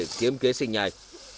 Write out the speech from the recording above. chúng ta sẽ kiếm kế sinh nhạy